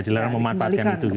dilarang memanfaatkan itu